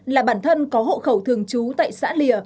là bản thân có hộ khẩu thường trú tại xã lìa